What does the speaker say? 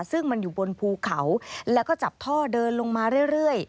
ซึ่งมันอยู่บนภูเขาแล้วก็จับท่อเดินลงมาเรื่อย